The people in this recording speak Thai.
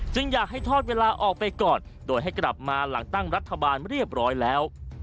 อยากให้ทอดเวลาออกไปก่อนโดยให้กลับมาหลังตั้งรัฐบาลเรียบร้อยแล้ว